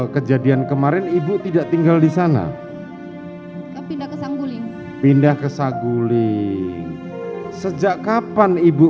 kejadian kemarin ibu tidak tinggal di sana pindah ke sangguling pindah ke saguling sejak kapan ibu